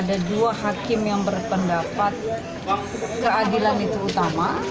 ada dua hakim yang berpendapat keadilan itu utama